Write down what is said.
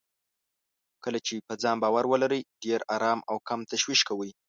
کله چې په ځان باور ولرئ، ډېر ارام او کم تشويش کوئ.